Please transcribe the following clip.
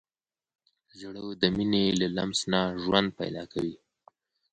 زړه د مینې له لمس نه ژوند پیدا کوي.